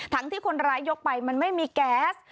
ที่คนร้ายยกไปมันไม่มีแก๊ส